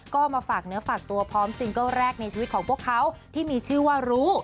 ก็มาฝากเนื้อฝากตัวพร้อมซิงเกิ้ลแรกในชีวิตของพวกเขาที่มีชื่อว่ารู้